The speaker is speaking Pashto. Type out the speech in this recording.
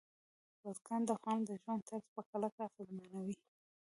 بزګان د افغانانو د ژوند طرز په کلکه اغېزمنوي.